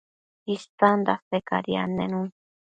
isan dase cadi annenun